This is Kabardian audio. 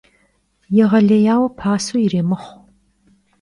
Yêğelêyaue paseu yirêmıxhu.